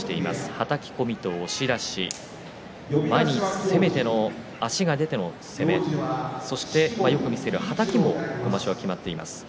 はたき込みと押し出し前に攻めて、足が出ての攻めよく見せるはたきも今場所はきまっています。